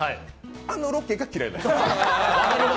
あのロケが嫌いなんです。